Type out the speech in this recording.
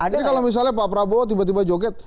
jadi kalau misalnya pak prabowo tiba tiba joget